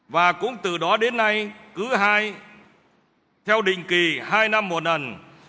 và cũng từ đó đến nay cứ hai theo định kỳ hai năm một lần